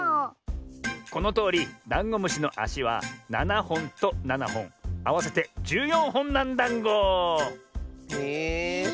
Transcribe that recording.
このとおりダンゴムシのあしは７ほんと７ほんあわせて１４ほんなんだんご。え。